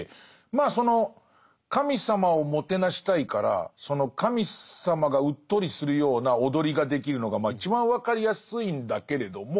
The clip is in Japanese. まあその神様をもてなしたいからその神様がうっとりするような踊りができるのがまあ一番分かりやすいんだけれども